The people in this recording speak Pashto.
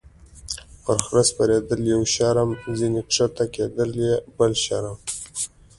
- پر خره سپرېدل یو شرم، ځینې کښته کېدل یې بل شرم.